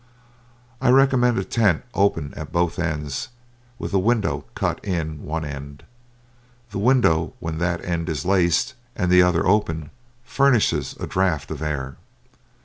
I recommend a tent open at both ends with a window cut in one end. The window, when that end is laced and the other open, furnishes a draught of air.